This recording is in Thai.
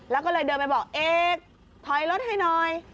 แล้วก็เลยเดินไปบอกเอกถอยรถให้หน่อย